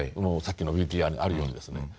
さっきのＶＴＲにあるようにですね。